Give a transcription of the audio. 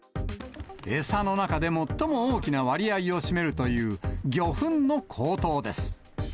餌の中で最も大きな割合を占めるという魚粉の高騰です。